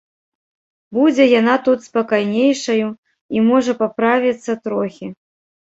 Будзе яна тут спакайнейшаю і можа паправіцца трохі.